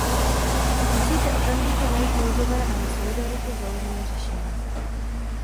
Musíte okamžitě najít nouzové a na solidaritě založené řešení.